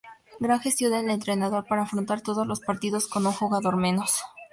Gran gestión del entrenador para afrontar todos los partidos con un jugador menos.